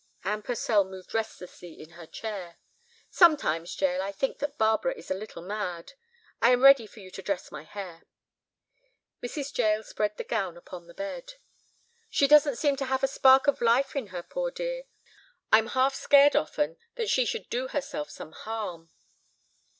Anne Purcell moved restlessly in her chair. "Sometimes, Jael, I think that Barbara is a little mad. I am ready for you to dress my hair." Mrs. Jael spread the gown upon the bed. "She doesn't seem to have a spark of life in her, poor dear. I'm half scared often that she should do herself some harm."